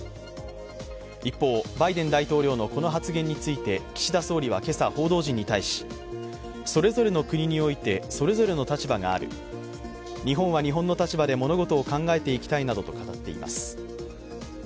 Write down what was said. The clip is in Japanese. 一方、バイデン大統領のこの発言について岸田総理は今朝、報道陣に対し、それぞれの国においてそれぞれの立場がある日本は日本の立場で物事を考えていきたいなどと語っています。